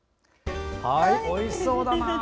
おいしそうだな！